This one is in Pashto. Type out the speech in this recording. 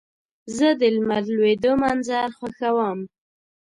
زه د لمر لوېدو منظر خوښوم.